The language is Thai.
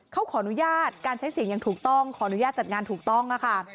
เขาขออนุญาตการใช้เสียงอย่างถูกต้องขออนุญาตจัดงานถูกต้องค่ะ